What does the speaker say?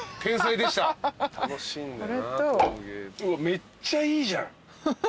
めっちゃいいじゃん。